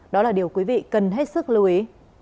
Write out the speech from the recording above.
đó là điều quý vị cần hết sức lưu ý